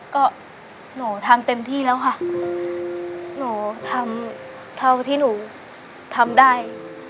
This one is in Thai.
ก็หนูทำเต็มที่แล้วค่ะหนูทำเท่าที่หนูทำได้